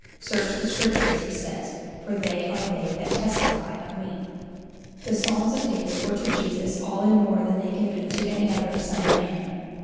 "Search the Scriptures," he says, "for they are they that testify of me." The Psalms of David were to Jesus all and more than they can be to any other son of man.